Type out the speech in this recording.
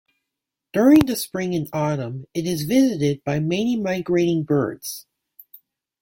During the spring and autumn it is visited by many migrating birds.